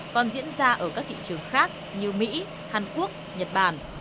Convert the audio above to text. còn diễn ra ở các thị trường khác như mỹ hàn quốc nhật bản